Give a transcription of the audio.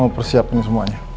mau persiapin semuanya